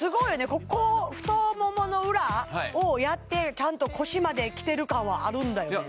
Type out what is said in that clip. ここ太ももの裏をやってちゃんと腰まで来てる感はあるんだよね